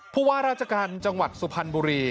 ผู้ว่าราชการจังหวัดสุพรรณบุรี